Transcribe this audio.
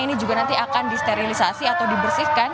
ini juga nanti akan disterilisasi atau dibersihkan